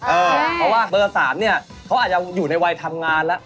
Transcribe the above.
เพราะว่าเบอร์๓เนี่ยเขาอาจจะอยู่ในวัยทำงานแล้ว